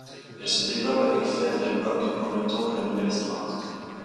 Elle se développe avec Febvre et Bloch en même temps que la Nouvelle Histoire.